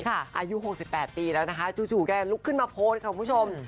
อายุ๖๘ปีแล้วนะคะจู่แกลุกขึ้นมาโพสต์ค่ะคุณผู้ชม